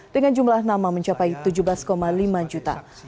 dengan jumlah nama mencapai tujuh belas lima juta